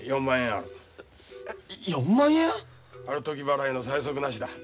ある時払いの催促なしだ。